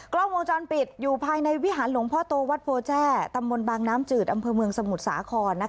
กล้องวงจรปิดอยู่ภายในวิหารหลวงพ่อโตวัดโพแจ้ตำบลบางน้ำจืดอำเภอเมืองสมุทรสาคร